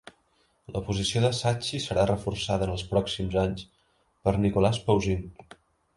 La posició de Sacchi serà reforçada en els pròxims anys per Nicolas Poussin.